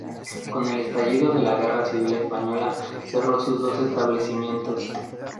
Con el estallido de la Guerra Civil española cerró sus dos establecimientos.